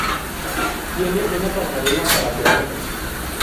Tiene una pasarela para peatones.